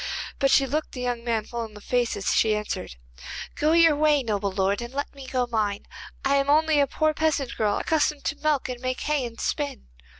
But she looked the young man full in the face as she answered: 'Go your way, noble lord, and let me go mine. I am only a poor peasant girl, accustomed to milk, and make hay and spin.